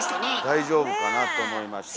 大丈夫かなと思いましたけど。